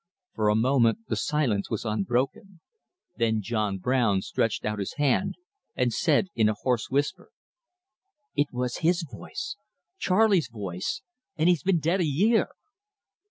For a moment the silence was unbroken. Then John Brown stretched out his hand and said, in a hoarse whisper: "It was his voice Charley's voice, and he's been dead a year!"